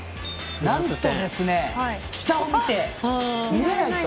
なんと下を見て、見れないと。